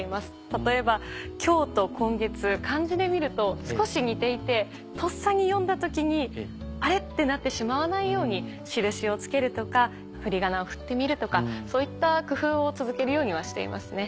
例えば「今日」と「今月」漢字で見ると少し似ていてとっさに読んだ時にあれ？ってなってしまわないように印を付けるとか振り仮名を振ってみるとかそういった工夫を続けるようにはしていますね。